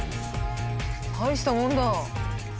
大したもんだ！